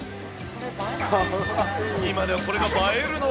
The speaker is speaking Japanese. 今ではこれが映えるのか。